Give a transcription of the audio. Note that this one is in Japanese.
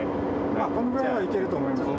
まあこのぐらいならいけると思いますよ。